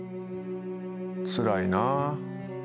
つらいな。